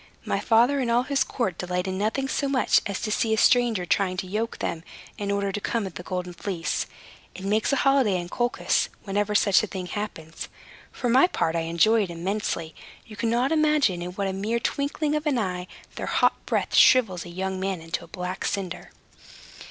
My father and all his court delight in nothing so much as to see a stranger trying to yoke them, in order to come at the Golden Fleece. It makes a holiday in Colchis whenever such a thing happens. For my part, I enjoy it immensely. You cannot imagine in what a mere twinkling of an eye their hot breath shrivels a young man into a black cinder."